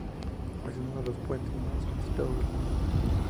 Es uno de los puentes más transitados del mundo.